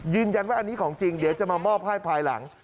ยืนยันว่าอันนี้ของจริงเดี๋ยวจะมามอบให้ภายหลัง